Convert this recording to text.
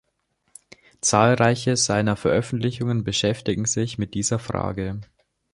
Zahlreiche seiner Veröffentlichungen beschäftigen sich mit dieser Frage.